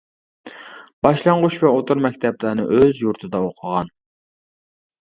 باشلانغۇچ ۋە ئوتتۇرا مەكتەپلەرنى ئۆز يۇرتىدا ئوقۇغان.